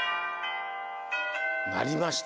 なりました。